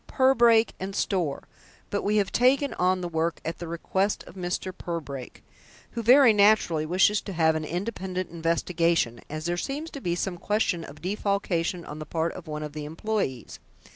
Purbrake & Store, but we have taken on the work at the request of Mr. Purbrake, who very naturally wishes to have an independent investigation, as there seems to be some question of defalcation on the part of one of the employees.